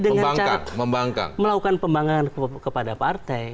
ya dengan cara melakukan pembangkangan kepada partai